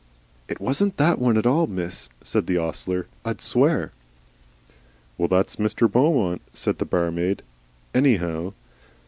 "It wasn't that one at all, miss," said the ostler, "I'd SWEAR" "Well, that's Mr. Beaumont," said the barmaid, " anyhow."